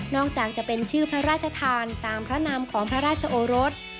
จากจะเป็นชื่อพระราชทานตามพระนามของพระราชโอรส